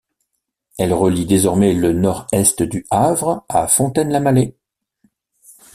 Elle relie désormais le nord-est du Havre à Fontaine-la-Mallet.